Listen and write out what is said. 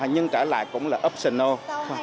nhưng trở lại cũng là optional